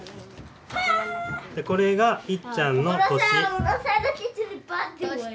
これがいっちゃんの年。